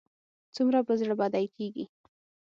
څومره به زړه بدی کېږي.